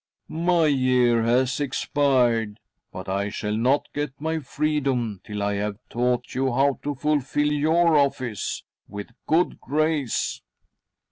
My year has expired, but I shall not get my freedom till I have taught you how to fulfil your Office with good grace."